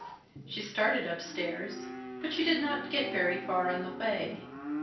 She started upstairs; but she did not get very far on the way.